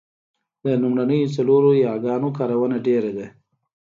د لومړنیو څلورو یاګانو کارونه ډېره ده